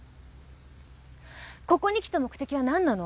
ここに来た目的は何なの？